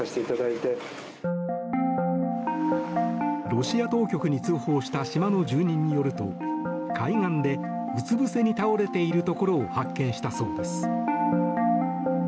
ロシア当局に通報した島の住人によると海岸でうつぶせに倒れているところを発見したそうです。